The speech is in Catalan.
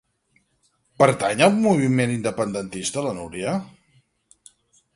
Pertany al moviment independentista la Núria?